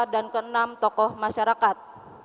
dan keenam tokoh masyarakat